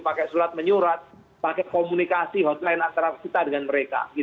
pakai surat menyurat pakai komunikasi hotline antara kita dengan mereka